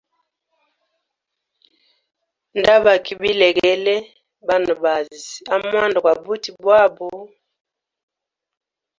Nda baki bilegele ba banabazi a mwanda gwa buti bwabo.